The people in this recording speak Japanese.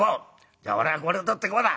「じゃあ俺はこれを取ってこうだ」。